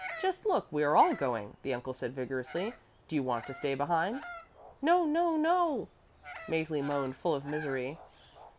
Just look, we are all going," the uncle said vigorously. "Do you want to stay behind?" "No, no, no," Mäzli moaned, full of misery.